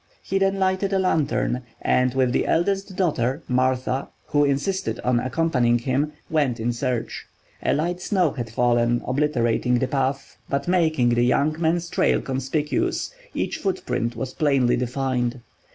He then lighted a lantern and with the eldest daughter, Martha, who insisted on accompanying him, went in search. A light snow had fallen, obliterating the path, but making the young man's trail conspicuous; each footprint was plainly defined.